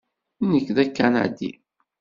Nekk d Akanadi.